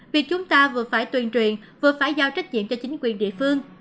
vì chúng ta vừa phải tuyên truyền vừa phải giao trách nhiệm cho chính quyền địa phương